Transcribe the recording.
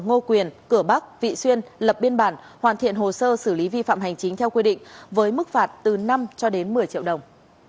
ngô quyền cửa bắc vị xuyên lập biên bản hoàn thiện hồ sơ xử lý vi phạm hành chính theo quy định với mức phạt từ năm cho đến một mươi triệu đồng